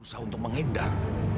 susah untuk menghindar